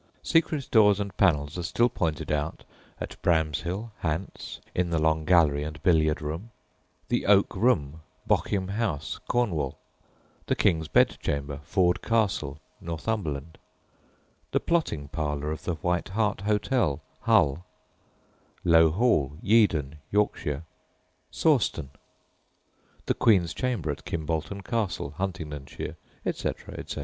Secret doors and panels are still pointed out at Bramshill, Hants (in the long gallery and billiard room); the oak room, Bochym House, Cornwall; the King's bedchamber, Ford Castle, Northumberland; the plotting parlour of the White Hart Hotel, Hull; Low Hall, Yeadon, Yorkshire; Sawston; the Queen's chamber at Kimbolton Castle, Huntingdonshire, etc., etc.